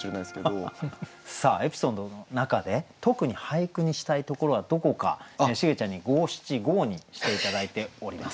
さあエピソードの中で特に俳句にしたいところはどこかシゲちゃんに五七五にして頂いております。